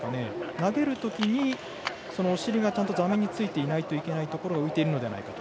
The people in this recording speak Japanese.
投げるときにお尻がちゃんと座面についていないといけないが浮いているのではないかと。